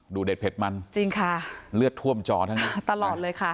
เด็ดเผ็ดมันจริงค่ะเลือดท่วมจอทั้งนั้นตลอดเลยค่ะ